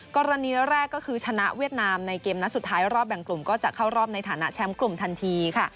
กรณีแรกก็คือชนะเวียดนามในเกมนัดสุดท้ายรอบแบ่งกลุ่มก็จะเข้ารอบในฐานะแชมป์กลุ่มทันทีค่ะ